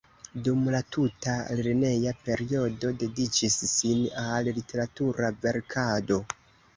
Dum la tuta lerneja periodo dediĉis sin al literatura verkado.